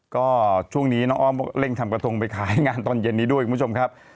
ก็ช่วงนี้น้องอ้อมเร่งทำกระทงไปขายงานตอนเย็นนี้ด้วยคุณผู้ชมครับ